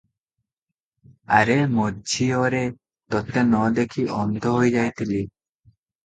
'ଆରେ ମୋଝିଅରେ, ତୋତେ ନ ଦେଖି ଅନ୍ଧ ହୋଇଯାଇଥିଲି ।